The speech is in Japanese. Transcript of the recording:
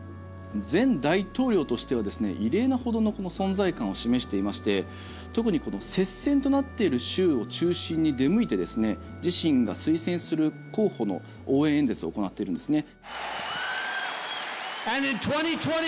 前大統領としては異例なほどの存在感を示していまして特に接戦となっている州を中心に出向いて自身が推薦する候補の応援演説を行っているんですね。